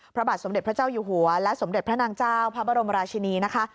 พระบาทสมเด็จพระเจ้าอยู่หัวและสมเด็จพระนางเจ้าพระบรมราชินีนะคะ